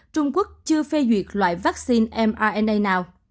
trung quốc chưa phê duyệt loại vaccine mrna nào